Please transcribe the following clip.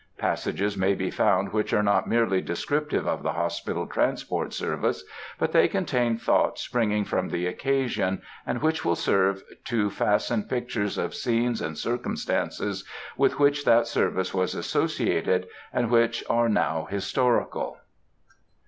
Passages may be found which are not merely descriptive of the Hospital Transport service, but they contain thoughts springing from the occasion, and which will serve to fasten pictures of scenes and circumstances with which that service was associated, and which are now historical.